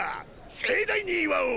盛大に祝おう。